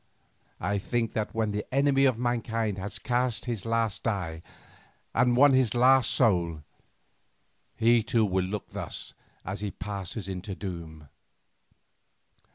I think that when the enemy of mankind has cast his last die and won his last soul, he too will look thus as he passes into doom.